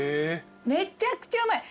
めちゃくちゃうまい。